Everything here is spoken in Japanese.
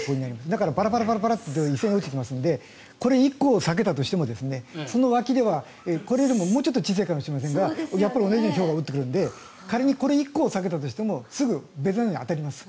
だからバラバラって一斉に落ちてきますのでこれ、１個避けたとしてもその脇ではこれよりももうちょっと小さいかもしれませんが同じようなひょうが降ってくるので仮にこれ１個を避けてもすぐ別なのに当たります。